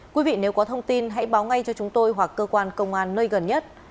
quý vị nếu có thông tin hãy báo ngay cho chúng tôi hoặc cơ quan công an nơi gần nhất